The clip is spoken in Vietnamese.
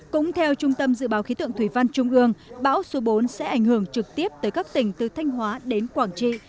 cũng theo trung tâm dự báo khí tượng thủy văn trung ương bão số bốn sẽ ảnh hưởng trực tiếp tới các tỉnh từ thanh hóa đến quảng trị